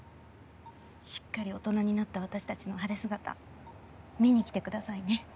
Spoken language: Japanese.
しっかり大人になった私たちの晴れ姿見に来てくださいね。